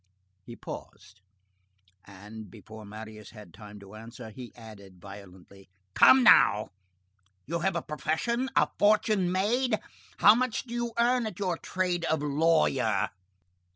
He paused, and, before Marius had time to answer, he added violently:— "Come now, you have a profession? A fortune made? How much do you earn at your trade of lawyer?"